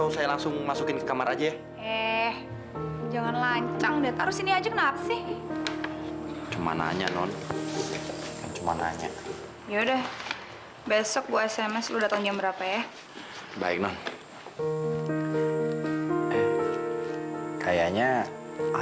sampai jumpa di video selanjutnya